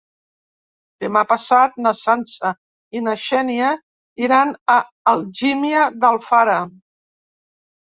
Demà passat na Sança i na Xènia iran a Algímia d'Alfara.